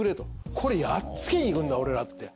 これやっつけにいくんだ俺らって。